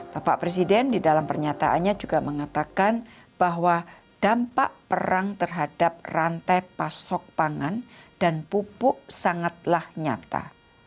bapak presiden di dalam pernyataannya juga mengatakan bahwa dampak perang terhadap rantai pasok pangan dan pupuk sangatlah nyata